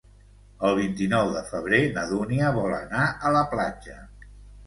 El vint-i-nou de febrer na Dúnia vol anar a la platja.